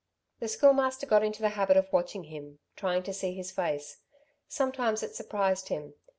The Schoolmaster got into the habit of watching him, trying to see his face. Sometimes it surprised him.